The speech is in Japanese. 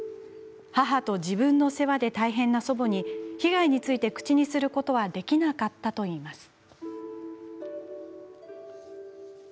母と自分の世話で大変な祖母に被害について口にすることはできなかったといいます。